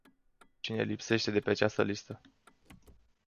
Cine lipsește de pe această listă?